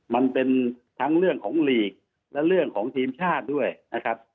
มันเป็นทั้งเรื่องของลีกและเรื่องของทีมชาติด้วยนะครับ